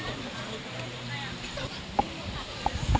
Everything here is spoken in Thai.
พระศักดิ์ไทย